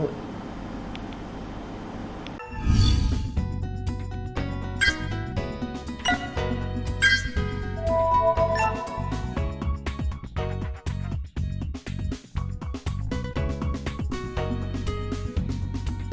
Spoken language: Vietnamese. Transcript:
quyền truyền đạo